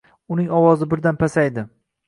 Uning ovozi birdan pasaydi.